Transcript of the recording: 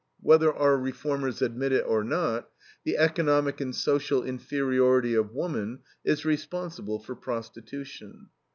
Whether our reformers admit it or not, the economic and social inferiority of woman is responsible for prostitution.